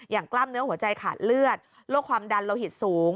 กล้ามเนื้อหัวใจขาดเลือดโรคความดันโลหิตสูง